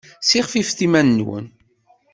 Ssixfefet iman-nwen!